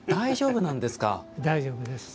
大丈夫です。